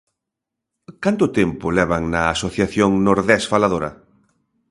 Canto tempo levan na asociación Nordés Faladora?